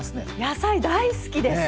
野菜大好きです。